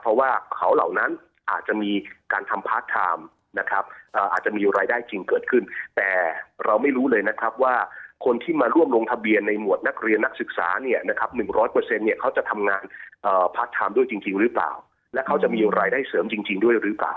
เพราะว่าเขาเหล่านั้นอาจจะมีการทำพาร์ทไทม์นะครับอาจจะมีรายได้จริงเกิดขึ้นแต่เราไม่รู้เลยนะครับว่าคนที่มาร่วมลงทะเบียนในหมวดนักเรียนนักศึกษาเนี่ยนะครับ๑๐๐เนี่ยเขาจะทำงานพาร์ทไทม์ด้วยจริงหรือเปล่าและเขาจะมีรายได้เสริมจริงด้วยหรือเปล่า